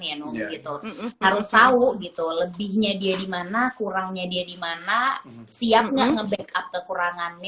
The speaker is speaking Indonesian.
ya harus tahu gitu lebihnya dia dimana kurangnya dia dimana siap nggak ngebackup kekurangannya